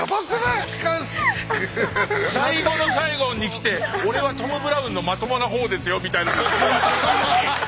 最後の最後にきて俺はトム・ブラウンのまともな方ですよみたいなのに。